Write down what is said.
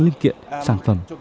linh kiện sản phẩm